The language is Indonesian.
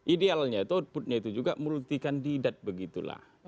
idealnya outputnya itu juga multi kandidat begitulah